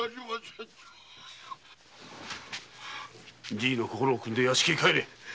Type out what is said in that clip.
じいの心をくんで屋敷へ帰れ！